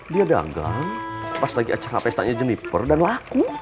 dia dagang pas lagi acara pestanya jeniper dan laku